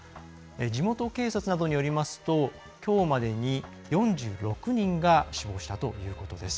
地元警察などによりますときょうまでに４６人が死亡したということです。